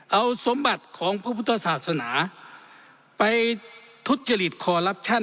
เอาสมบัติของพระพุทธศาสนาไปทุจริตคอลลับชั่น